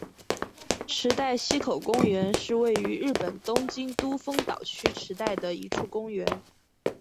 池袋西口公园是位于日本东京都丰岛区池袋的一处公园。